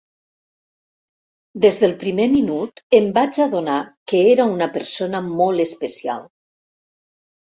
Des del primer minut em vaig adonar que era una persona molt especial.